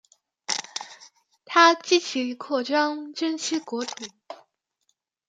他积极扩张真腊国土。